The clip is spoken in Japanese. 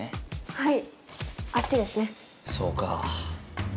はい！